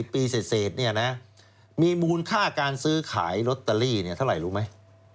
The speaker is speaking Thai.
ปีเสร็จมีมูลค่าการซื้อขายลอตเตอรี่เท่าไหร่รู้ไหม